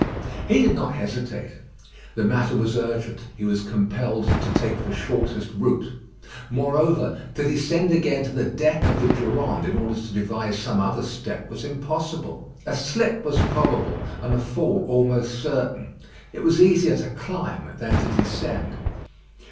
He did not hesitate. The matter was urgent. He was compelled to take the shortest route. Moreover, to descend again to the deck of the Durande, in order to devise some other step, was impossible. A slip was probable, and a fall almost certain. It was easier to climb than to descend.